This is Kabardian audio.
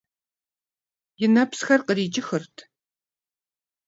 И нэпсхэр кърикӏыхырт.